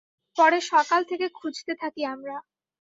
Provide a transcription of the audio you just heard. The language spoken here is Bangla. পরে সকাল থেকে খুঁজতে থাকি আমরা।